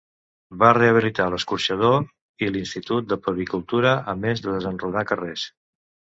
Va rehabilitar l'escorxador i l'Institut de Puericultura, a més de desenrunar carrers.